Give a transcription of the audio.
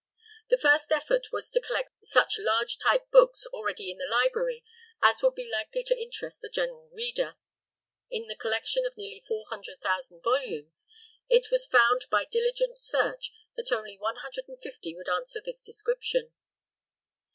The first effort was to collect such large type books, already in the library, as would be likely to interest the general reader. In the collection of nearly 400,000 volumes, it was found by diligent search that only 150 would answer this description.